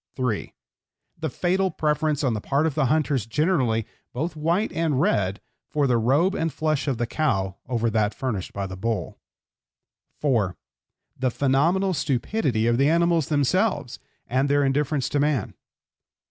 (3) The fatal preference on the part of hunters generally, both white and red, for the robe and flesh of the cow over that furnished by the bull. (4) The phenomenal stupidity of the animals themselves, and their indifference to man.